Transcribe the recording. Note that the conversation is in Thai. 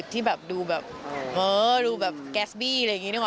ที่ดูแบบแก๊สบี้